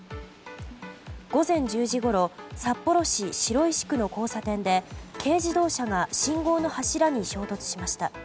午前１０時ごろ札幌市白石区の交差点で軽自動車が信号の柱に衝突しました。